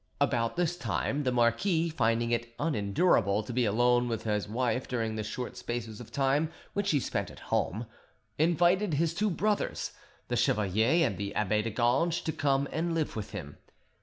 About this time the marquis, finding it unendurable to be alone with his wife during the short spaces of time which he spent at home, invited his two brothers, the chevalier and the abbe de Ganges, to come and live with him.